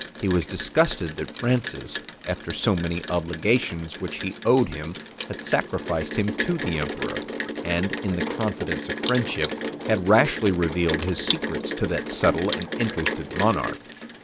He was disgusted that Francis, after so many obligations which he owed him, had sacrificed him to the emperor; and, in the confidence of friendship, had rashly revealed his secrets to that subtle and interested monarch.